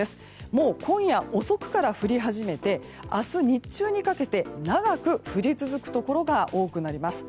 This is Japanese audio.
もう今夜遅くから降り始めて明日日中にかけて長く降り続くところが多くなります。